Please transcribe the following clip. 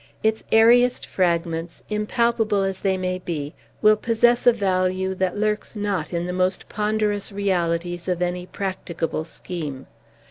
Its airiest fragments, impalpable as they may be, will possess a value that lurks not in the most ponderous realities of any practicable scheme.